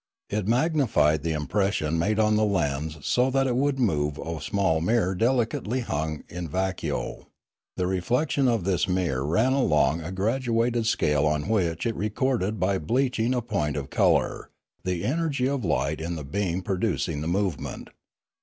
It magnified the impression made on the lens so that it should move a small mirror delicately hung in vacuo; the reflection of this mirror ran along a graduated scale on which it recorded by bleaching a point of colour, the energy of light in the beam pro ducing the movement.